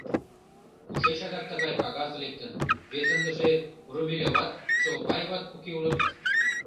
Кушеч адак тыгай кагаз лектын, вет ындыже Румелёват, Чолпаеват уке улыт?